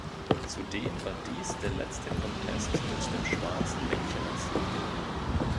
Zudem war dies der letzte Contest mit dem schwarzen Männchen als Logo.